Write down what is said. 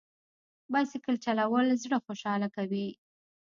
بایسکل چلول زړه خوشحاله کوي.